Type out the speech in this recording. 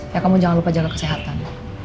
ya kamu jangan lupa jaga kesehatan